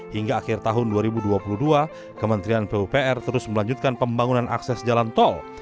hingga akhir tahun dua ribu dua puluh dua kementerian pupr terus melanjutkan pembangunan akses jalan tol